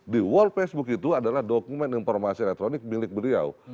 di wall facebook itu adalah dokumen informasi elektronik milik beliau